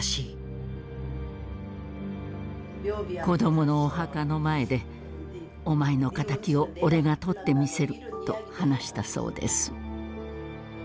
子供のお墓の前で「お前の敵を俺が取ってみせる」と話したそうです。